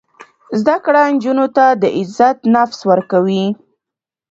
زده کړه نجونو ته د عزت نفس ورکوي.